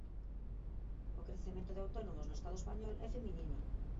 O crecemento de autónomos no Estado español é feminino.